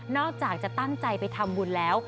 อกจากจะตั้งใจไปทำบุญแล้ว